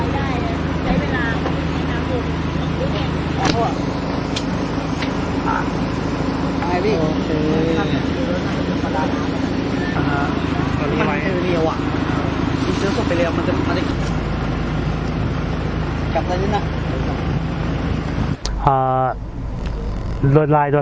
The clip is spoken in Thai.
พี่ชอบจริงบอกว่าชอบทุก